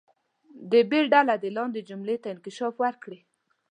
د ب ډله دې لاندې جملې ته انکشاف ورکړي.